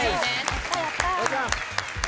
やったやった！